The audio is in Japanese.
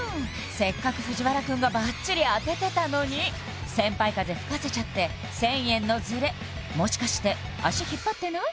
せっかく藤原くんがバッチリ当ててたのに先輩風吹かせちゃって１０００円のズレもしかして足引っ張ってない？